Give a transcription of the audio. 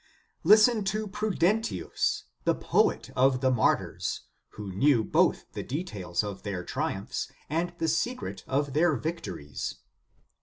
Listen to Prudentius, the poet of the mar tyrs, who knew both the details of their triumphs and the secret of their victories.